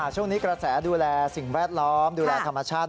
ช่วงนี้กระแสดูแลสิ่งแวดล้อมดูแลธรรมชาติ